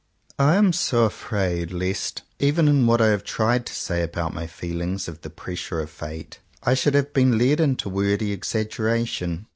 I am so afraid lest, even in what I have tried to say about my feeling of the pressure of Fate, I should have been led into wordy exaggeration.